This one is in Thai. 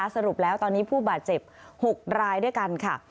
สรุปแล้วตอนนี้ผู้บาดเจ็บ๖รายด้วยกันค่ะ